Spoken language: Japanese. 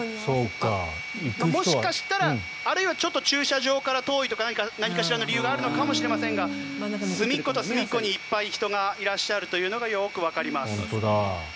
あるいはちょっと駐車場から遠いとか何かしらの理由があるのかもしれませんが隅っこと隅っこにいっぱい人がいらっしゃるのがよくわかります。